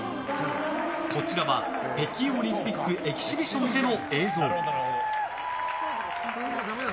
こちらは北京オリンピックエキシビションでの映像。